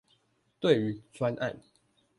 對於專案